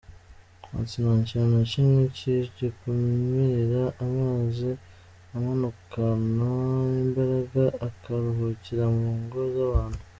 Ati “Nta kintu na kimwe kigikumira amazi, amanukana imbaraga akaruhukira mu ngo z’abantu”.